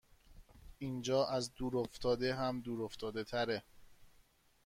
اینجااز دور افتاده هم دور افتاده تره